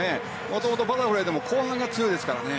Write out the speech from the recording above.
もともとバタフライでも後半が強いですからね。